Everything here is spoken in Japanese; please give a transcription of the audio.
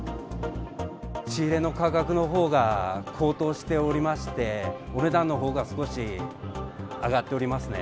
仕入れの価格のほうが高騰しておりまして、お値段のほうが少し上がっておりますね。